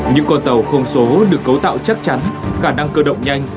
những con tàu không số được cấu tạo chắc chắn khả năng cơ động nhanh